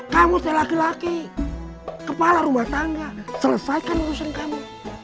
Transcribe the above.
kamu saya laki laki kepala rumah tangga selesaikan urusan kamu